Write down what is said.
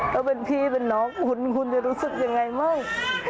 ถ้าเป็นพี่เป็นน้องคุณคุณจะรู้สึกยังไงมั่ง